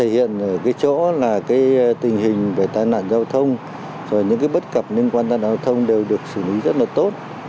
hiện ở cái chỗ là tình hình về tai nạn giao thông rồi những bất cập liên quan tai nạn giao thông đều được xử lý rất là tốt